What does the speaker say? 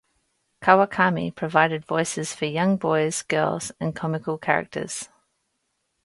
Kawakami provided voices for young boys, girls and comical characters.